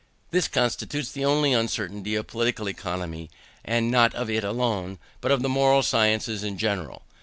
This constitutes the only uncertainty of Political Economy; and not of it alone, but of the moral sciences in general.